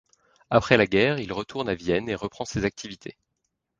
Après la guerre, il retourne à Vienne et reprend ses activités.